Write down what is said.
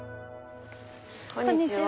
こんにちは。